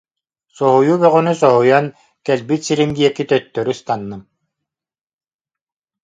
Соһуйуу бөҕөнү соһуйан, кэлбит сирим диэки төттөрү ыстанным